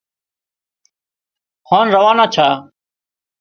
هانَ روانا ڇا